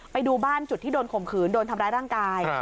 ไปดูบ้านจุดที่โดนข่มขืนโดนทำร้ายร่างกาย